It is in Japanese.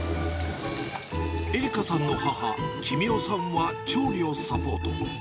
絵里香さんの母、君代さんは調理をサポート。